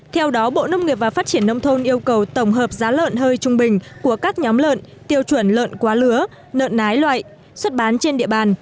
theo đó bộ nông nghiệp và phát triển nông thôn yêu cầu tổng hợp giá lợn hơi trung bình của các nhóm lợn tiêu chuẩn lợn quá lứa lợn nái loại xuất bán trên địa bàn